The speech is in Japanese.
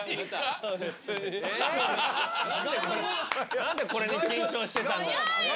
何でこれで緊張してたんだよ。